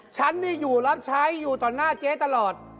ฉันนี่อยู่รับใช้อยู่ต่อหน้าเจ๊ตลอด